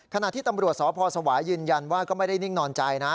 ขณะที่ตำรวจสพสวายยืนยันว่าก็ไม่ได้นิ่งนอนใจนะ